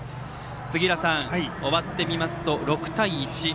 杉浦さん終わってみますと６対１。